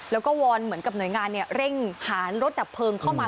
แล้วก็วอนเหมือนกับหน่วยงานเร่งหารรถดับเพลิงเข้ามา